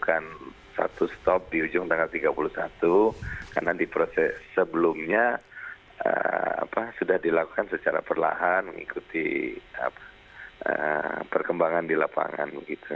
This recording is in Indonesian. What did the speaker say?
kita akan satu stop di ujung tanggal tiga puluh satu karena di proses sebelumnya sudah dilakukan secara perlahan mengikuti perkembangan di lapangan